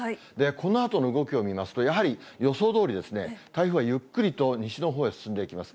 このあとの動きを見ますと、やはり予想どおり、台風はゆっくりと西の方へ進んでいきます。